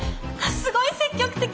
すごい積極的。